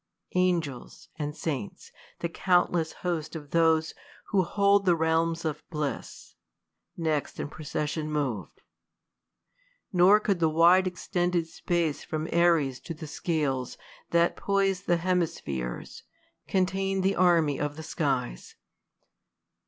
Angels And saints, the countless host of those, who hold The realms of bliss, next in procession'mov'd ; Nor could the wide extended space from Aries To the scales, that poise the hemispheres, Contain the arrny of the skies.